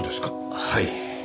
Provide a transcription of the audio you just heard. はい。